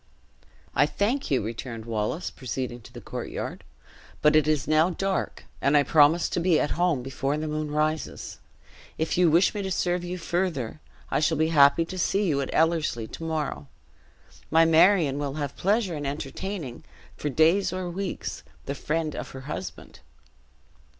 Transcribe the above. "I thank you," returned Wallace, proceeding to the courtyard; "but it is now dark, and I promised to be at home before the moon rises. If you wish me to serve you further, I shall be happy to see you at Ellerslie to morrow. My Marion will have pleasure in entertaining, for days or weeks, the friend of her husband."